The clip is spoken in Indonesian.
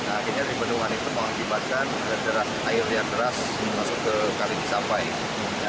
akhirnya di bendungan itu mengakibatkan air yang deras masuk ke kali cisampai